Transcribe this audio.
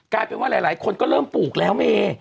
กลายเป็นว่าหลายคนก็เริ่มปลูกแล้วเม